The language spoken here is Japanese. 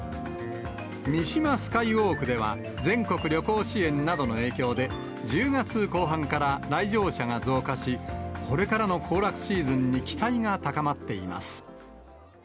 三島スカイウォークでは、全国旅行支援などの影響で、１０月後半から来場者が増加し、これからの行楽シーズンに期待が高まっています。